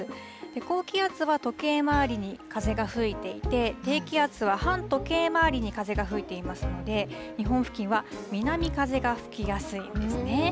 高気圧は時計回りに風が吹いていて低気圧は反時計回りに風が吹いていますので日本付近には南風が吹きやすいんですね。